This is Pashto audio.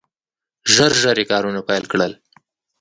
ژر ژر یې کارونه پیل کړل.